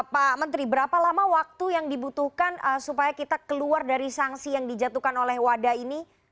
pak menteri berapa lama waktu yang dibutuhkan supaya kita keluar dari sanksi yang dijatuhkan oleh wadah ini